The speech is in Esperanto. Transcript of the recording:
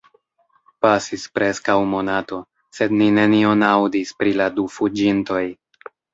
Pasis preskaŭ monato, sed ni nenion aŭdis pri la du fuĝintoj.